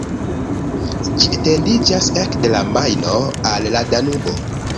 Ĝi etendiĝas ekde la Majno al la Danubo.